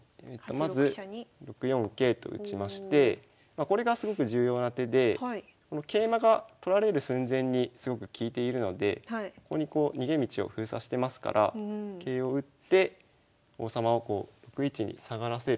まず６四桂と打ちましてこれがすごく重要な手でこの桂馬が取られる寸前にすごく利いているのでここにこう逃げ道を封鎖してますから桂を打って王様をこう６一に下がらせる。